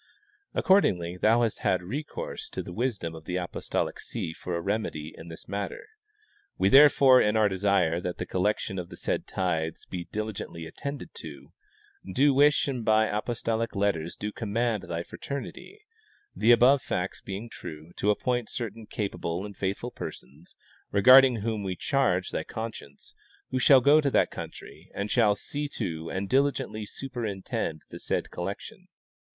Accordingly thou hast had recourse to the wisdom of the apostolic see for a remedy in this matter. We therefore, in our desire that the collection of the said tithes be diligently attended to, do wish and by apostolic letters do command thy fraternity, the above facts being true, to appoint certain capable and faithful persons, regarding whom we charge thy conscience, who shall go to that country and shall see to and diligently superintend the said collection.